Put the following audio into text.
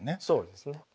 そうですね。